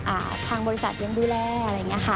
ทางบริษัทยังดูแลอะไรอย่างเงี้ยค่ะ